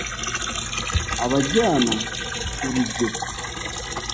abajyana ku ruge!